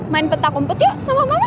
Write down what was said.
main petak umput yuk sama mama